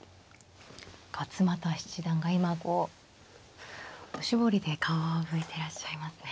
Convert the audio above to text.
勝又七段が今こうおしぼりで顔を拭いてらっしゃいますね。